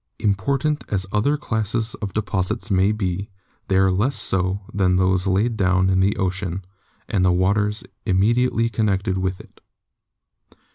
Important as other classes of de posits may be, they are less so than those laid down in the ocean and the waters immediately connected with it.